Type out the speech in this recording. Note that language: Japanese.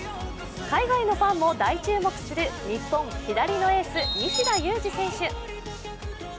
海外のファンも大注目する日本左のエース・西田有志選手。